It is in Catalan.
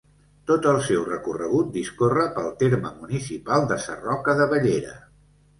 Tot el seu recorregut discorre pel terme municipal de Sarroca de Bellera.